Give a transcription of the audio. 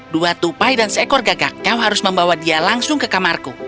dua tupai dan seekor gagak kau harus membawa dia langsung ke kamarku